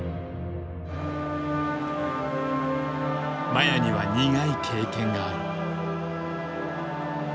麻也には苦い経験がある。